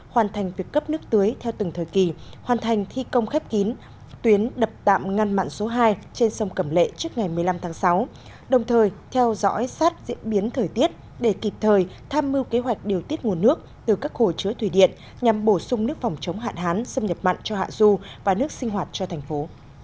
hoàn thành việc cấp nước tưới theo từng thời kỳ hoàn thành thi công khép kín tuyến đập tạm ngăn mặn số hai trên sông cẩm lệ trước ngày một mươi năm tháng sáu đồng thời theo dõi sát diễn biến thời tiết để kịp thời tham mưu kế hoạch điều tiết nguồn nước từ các hồ chứa thủy điện nhằm bổ sung nước phòng chống hạn hán xâm nhập mặn cho hạ du và nước sinh hoạt cho thành phố